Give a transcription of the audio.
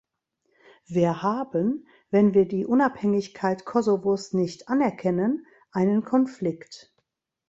Wir haben, wenn wir die Unabhängigkeit Kosovos nicht anerkennen, einen Konflikt.